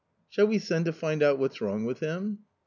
* Shall we send to find out what's wrong with him